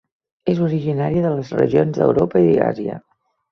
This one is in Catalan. És originària de les regions d'Europa i Àsia.